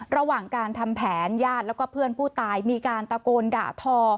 ระหว่างการทำแผนญาติแล้วก็เพื่อนผู้ตายมีการตะโกนด่าทอ